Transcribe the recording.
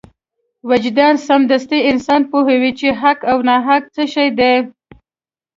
وجدان سمدستي انسان پوهوي چې حق او ناحق څه شی دی.